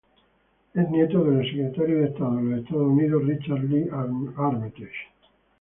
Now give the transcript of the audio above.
Es nieto del ex-secretario del Estado de los Estados Unidos, Richard Lee Armitage.